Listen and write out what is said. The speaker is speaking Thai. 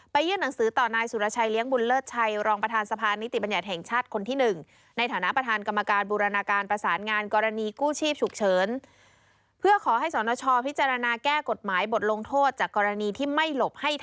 ไปยื่นหนังสือต่อนายสุรชัยเลี้ยงบุญเลิศชัยรองประธานสะพานิติบัญญัติแห่งชาติคนที่๑